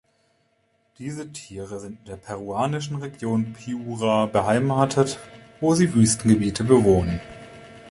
Diese Tiere sind in der peruanischen Region Piura beheimatet, wo sie Wüstengebiete bewohnen.